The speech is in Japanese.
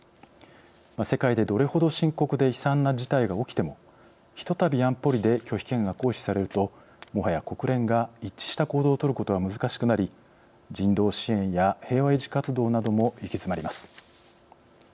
世界でどれほど深刻で悲惨な事態が起きてもひとたび安保理で拒否権が行使されるともはや国連が一致した行動を取ることは難しくなり人道支援や平和維持活動なども行き詰まります。